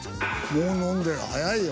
もう飲んでる早いよ。